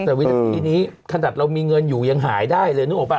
แต่วินาทีนี้ขนาดเรามีเงินอยู่ยังหายได้เลยนึกออกป่